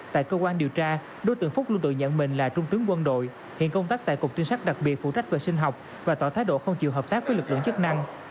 tại cơ quan điều tra đối tượng phúc luôn tự nhận mình là trung tướng quân đội hiện công tác tại cục trinh sát đặc biệt phụ trách về sinh học và tỏ thái độ không chịu hợp tác với lực lượng chức năng